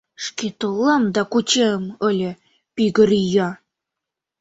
Шке толам да кучем ыле, пӱгыр ия...